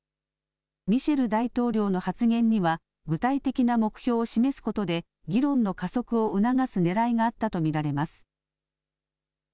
ミシェル大統領の発言には具体的な目標を示すことで議論の加速を促すねらいがあったと見られます。